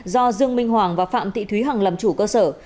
do dương minh hoàng và phạm thị thúy hằng làm chủ cơ sở